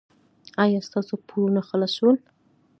ایا ستاسو پورونه خلاص شول؟